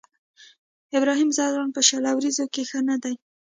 ابراهيم ځدراڼ په شل اوريزو کې ښه نه دی.